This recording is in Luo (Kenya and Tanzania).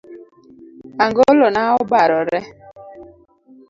Angolo na obarore